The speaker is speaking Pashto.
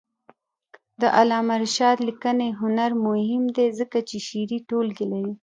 د علامه رشاد لیکنی هنر مهم دی ځکه چې شعري ټولګې لري.